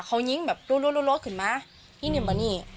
เขายิงแบบรวดรวดรวดขึ้นมานี่เห็นปะนี่